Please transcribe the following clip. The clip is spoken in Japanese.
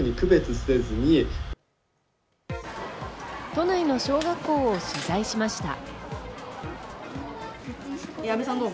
都内の小学校を取材しました。